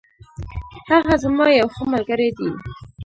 هغه زما یو ښه ملگری دی.